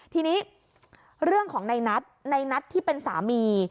ทีนี้เรื่องของในนัทในนัทที่เป็นสามี